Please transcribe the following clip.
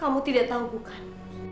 kamu tidak tahu bukan